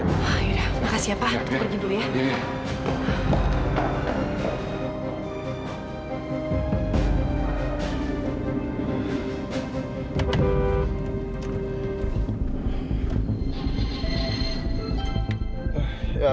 yaudah makasih ya pak aku pergi dulu ya